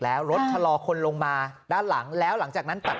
แล้วรถชะลอคนลงมาด้านหลังแล้วหลังจากนั้นตัด